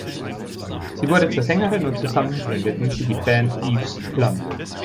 Sie wurde zur Sängerin, und zusammen gründeten sie die Band Eve´s Plum.